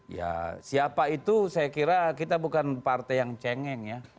ya siapa itu saya kira kita bukan partai yang cengeng ya